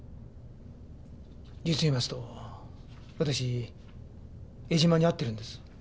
実を言いますと私江島に会ってるんです。